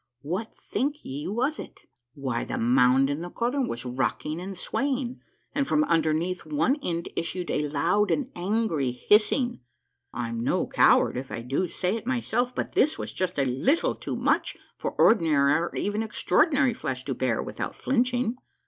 What think ye was it? Why, the mound in the corner was rocking and swaying, and from underneath one end issued a loud and angry hissing. I'm no coward, if I do say it myself, but this was just a little too much for ordinary or even extraordinary flesh to bear without flinching.